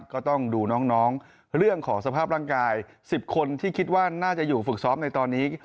ก็ต้องดูน้องเรื่องของสภาพร่างกาย๑๐คนที่คิดว่าน่าจะอยู่ฝึกซ้อมในตอนนี้